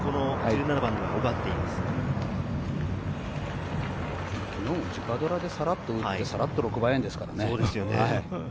昨日も直ドラでさらっと打って、さらっと６番アイアンですからね。